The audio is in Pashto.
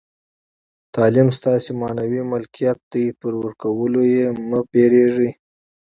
تعلیم ستاسي معنوي ملکیت دئ، پر ورکولو ئې مه بېرېږئ!